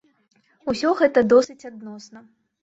Усё гэта досыць адносна.